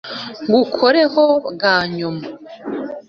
ngukoreho bwa nyuma